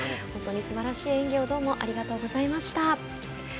本当にすばらしい演技をどうもありがとうございました。